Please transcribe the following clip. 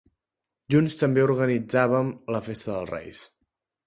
Junts també organitzàvem la festa dels reis.